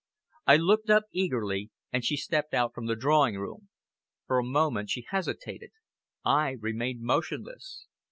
I looked up eagerly, and she stepped out from the drawing room. For a moment she hesitated. I remained motionless.